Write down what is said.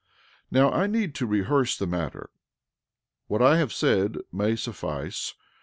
13:20 Now I need not rehearse the matter; what I have said may suffice.